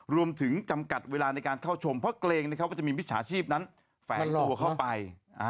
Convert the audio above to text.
รวมถึงจำกัดเวลาในการเข้าชมเพราะเกรงมีปิจชาชีพแฝงตัวเข้าไป